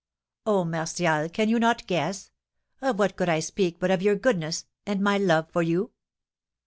"Oh, Martial, can you not guess? Of what could I speak but of your goodness and my love for you?"